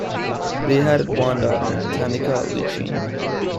They had one daughter, Tanica Lichine.